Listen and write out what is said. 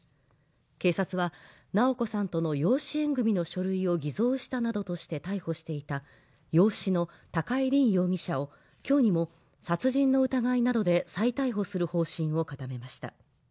警察は直子さんとの養子縁組の書類を偽造したなどとして逮捕していた容姿の高井凜容疑者を今日にも殺人の疑いなどで再逮捕する方針を固めました。